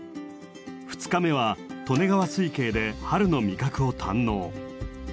２日目は利根川水系で春の味覚を堪能。